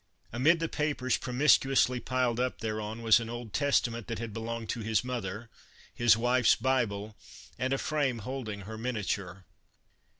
Amid the papers promiscuously piled up thereon was an Old Testament that had belonged to his mother, his wife's Bible and a frame holding her miniature.